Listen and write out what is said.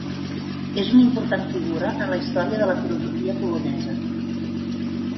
És una important figura en la història de la filosofia polonesa.